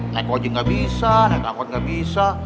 naik wajah gak bisa naik akun gak bisa